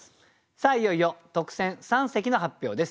さあいよいよ特選三席の発表です。